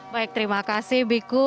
baik terima kasih biku